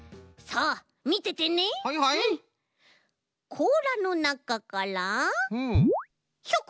こうらのなかからひょこ！